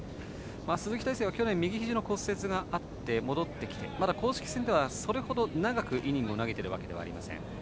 鈴木泰成は去年右ひじの骨折があって戻ってきてまだ公式戦ではそれほど長くイニングを投げているわけではありません。